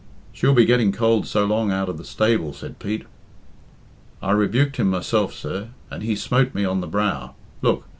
"She'll be getting cold so long out of the stable," said Pete. "I rebuked him myself, sir, and he smote me on the brow. Look!